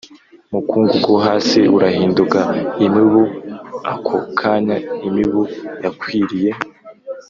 mukungugu wo hasi urahinduka imibu Ako kanya imibu yakwiriye